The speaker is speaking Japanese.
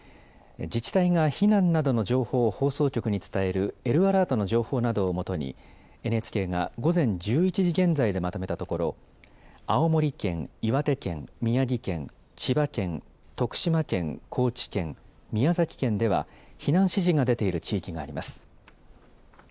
自治体が避難などの情報を放送局に伝えるＬアラートの情報を基に、ＮＨＫが午前１１時現在でまとめたところ、青森県、岩手県、宮城県、千葉県、徳島県、高知県、宮崎県では、避難指示が出ている地域があります。